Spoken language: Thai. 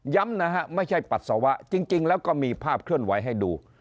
นะฮะไม่ใช่ปัสสาวะจริงแล้วก็มีภาพเคลื่อนไหวให้ดู